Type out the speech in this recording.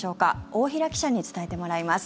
大平記者に伝えてもらいます。